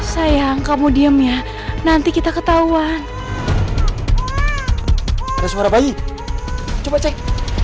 sayang kamu diem ya nanti kita ketahuan ada suara bayi coba cek